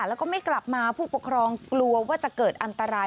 แล้วก็ไม่กลับมาผู้ปกครองกลัวว่าจะเกิดอันตราย